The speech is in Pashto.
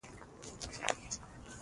کارټ مې ماشین ته ور دننه کړ.